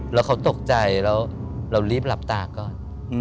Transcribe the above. แล้วเขาตกใจแล้วเรารีบหลับตาก่อน